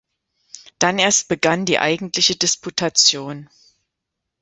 Dann erst begann die eigentliche Disputation.